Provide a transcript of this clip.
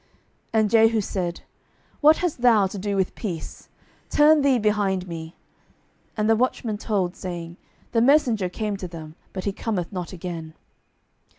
And Jehu said, What hast thou to do with peace? turn thee behind me. And the watchman told, saying, The messenger came to them, but he cometh not again.